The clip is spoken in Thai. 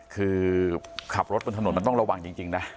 คือขับรถบนถนนมันต้องระวังจริงนะ